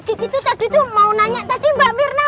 oh gigi tuh tadi tuh mau nanya tadi mbak mirna